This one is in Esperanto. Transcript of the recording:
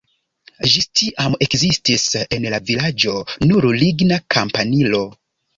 Ĝis tiam ekzistis en la vilaĝo nur ligna kampanilo.